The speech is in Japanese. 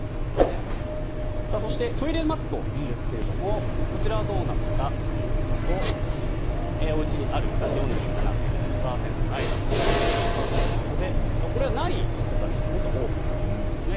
そしてトイレマットですがこちらはどうなのか見ていきますとおうちにあるが４７．６％ないが５２．４％ということでこれはない人たちのほうが多かったということですね。